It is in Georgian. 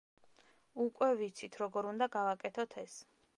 უკვე ვიცით, როგორ უნდა გავაკეთოთ ეს.